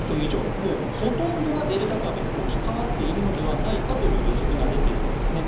もうほとんどがデルタ株に置き換わっているのではないかという予測が出ているんですね。